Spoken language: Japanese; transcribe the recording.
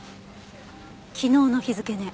昨日の日付ね。